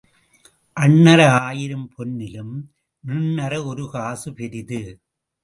அண்ணற ஆயிரம் பொன்னிலும் நிண்ணற ஒரு காசு பெரிது.